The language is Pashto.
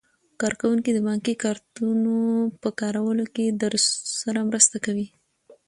کارکوونکي د بانکي کارتونو په کارولو کې درسره مرسته کوي.